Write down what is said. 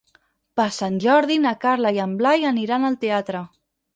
Per Sant Jordi na Carla i en Blai aniran al teatre.